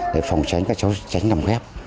để phòng tránh các cháu tránh nằm ghép